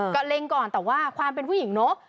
ก็เล็งก่อนแต่ว่าความเป็นผู้หญิงเนอะ